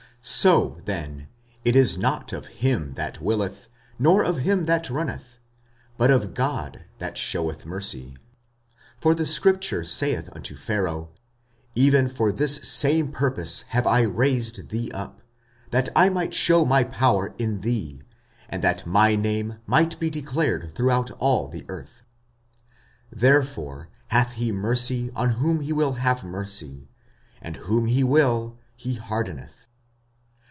45:009:016 So then it is not of him that willeth, nor of him that runneth, but of God that sheweth mercy. 45:009:017 For the scripture saith unto Pharaoh, Even for this same purpose have I raised thee up, that I might shew my power in thee, and that my name might be declared throughout all the earth. 45:009:018 Therefore hath he mercy on whom he will have mercy, and whom he will he hardeneth.